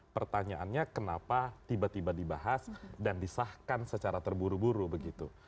pertanyaannya kenapa tiba tiba dibahas dan disahkan secara terburu buru begitu